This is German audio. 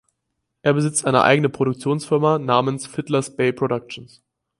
Er besitzt eine eigene Produktionsfirma namens "Fiddlers Bay Productions".